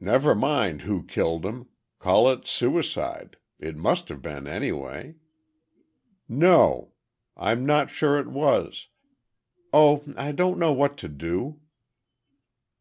"Never mind who killed him. Call it suicide—it must have been anyway—" "No—I'm not sure it was—oh, I don't know what to do."